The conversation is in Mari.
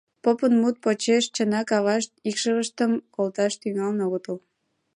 Попын мут почеш чынак авашт икшывыштым колташ тӱҥалын огытыл.